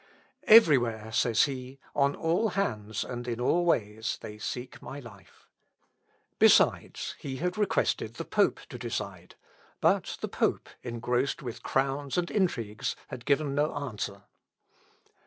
"Everywhere," says he, "on all hands, and in all ways, they seek my life." Besides, he had requested the pope to decide; but the pope, engrossed with crowns and intrigues, had given no answer.